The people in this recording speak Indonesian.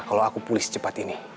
kalau aku pulih secepat ini